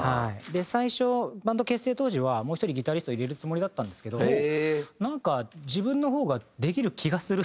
最初バンド結成当時はもう１人ギタリストを入れるつもりだったんですけどなんか自分の方ができる気がするっていうので。